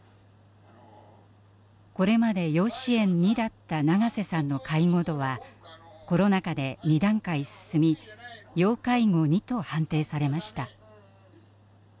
これまで要支援２だった長瀬さんの介護度はコロナ禍で２段階進み要介護２と判定されました。